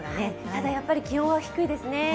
ただ、やはり気温は低いですね。